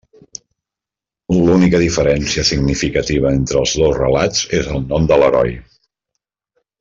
L'única diferència significativa entre els dos relats és el nom de l'heroi.